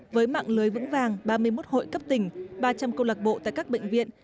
với mạng lưới vững vàng ba mươi một hội cấp tỉnh ba trăm linh câu lạc bộ tại các bệnh viện